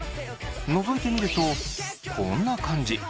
のぞいてみるとこんな感じ。